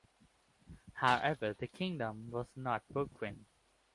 However, the kingdom was not broken.